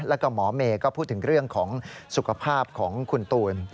แล้วก็หมอเมย์ก็พูดถึงเรื่องของสุขภาพของคุณตูน